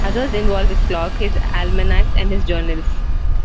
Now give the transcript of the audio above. Others involve his clock, his almanacs and his journals.